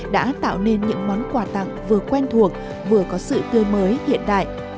đã tạo nên những món quà tặng vừa quen thuộc vừa có sự tươi mới hiện đại